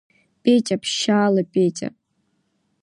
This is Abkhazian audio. Петиа, ԥшьаала, Петиа!